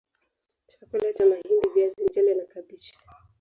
Chakula cha mahindi viazi mchele na kabichi